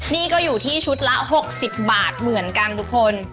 นี่ก็อยู่ที่ชุดละ๖๐บาทเหมือนกันทุกคน